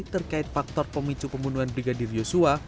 terkait faktor pemicu pembunuhan brigadir yosua